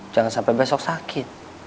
jangan sampai besok sakit